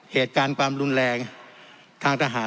เหตุการณ์ความรุนแรงทางทหาร